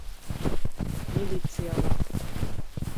Милицияла